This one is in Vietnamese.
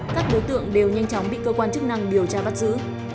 các đối tượng đều nhanh chóng bị cơ quan chức năng điều tra bắt giữ